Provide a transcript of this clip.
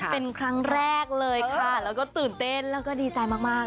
เป็นครั้งแรกเลยค่ะแล้วก็ตื่นเต้นแล้วก็ดีใจมาก